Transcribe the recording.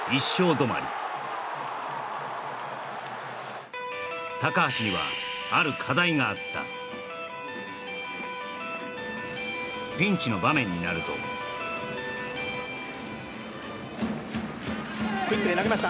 どまり橋にはある課題があったピンチの場面になると投げました